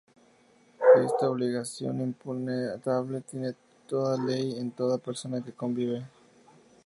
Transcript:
Esta obligación imputable tiene toda ley en toda persona que convive.